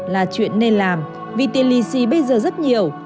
là chuyện nên làm vì tiền lì xì bây giờ rất nhiều